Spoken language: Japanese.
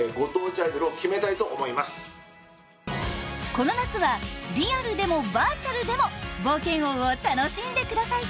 この夏はリアルでもバーチャルでも冒険王を楽しんでください！